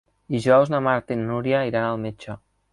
Dijous na Marta i na Nura iran al metge.